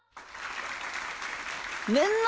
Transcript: みんな！